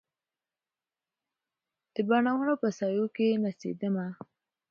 د بڼوڼو په سایو کې نڅېدمه